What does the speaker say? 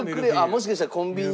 もしかしたらコンビニ。